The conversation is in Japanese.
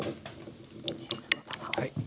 チーズと卵。